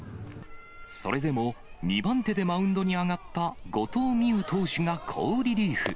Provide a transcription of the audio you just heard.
それでも、２番手でマウンドに上がった後藤希友投手が好リリーフ。